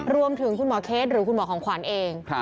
รวมถึงคุณหมอเคสหรือคุณหมอของขวัญเอง